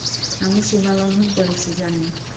আমি সীমালঙ্ঘন করেছি, জানি।